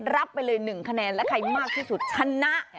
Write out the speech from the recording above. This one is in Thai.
รับไปเลย๑คะแนนและใครมากที่สุดชนะ